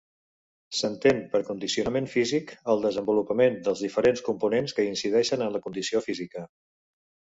S'entén per condicionament físic el desenvolupament dels diferents components que incideixen en la condició física.